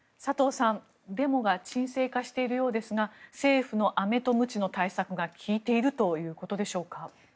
佐藤さん、デモが鎮静化しているようですが政府のアメとムチの対策が効いているということでしょうか。